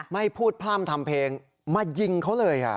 ไม่พูดพร่ำทำเพลงมายิงเขาเลย